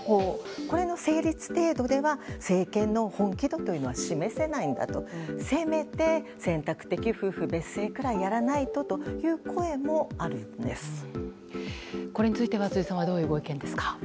これの成立程度では政権の本気度を示せないんだとせめて選択制夫婦別姓ぐらいやらないとというこれについては辻さんはどういうご意見ですか？